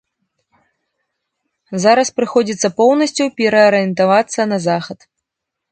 Зараз прыходзіцца поўнасцю пераарыентавацца на захад.